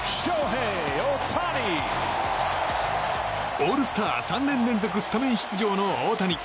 オールスター３年連続スタメン出場の大谷。